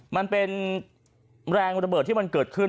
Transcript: มันเป็นแรงระเบิดที่มันเกิดขึ้น